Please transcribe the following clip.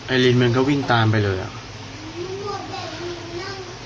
ลินมันก็วิ่งตามไปเลยอ่ะ